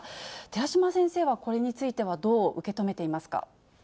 寺嶋先生はこれについてどう受け止めていますか。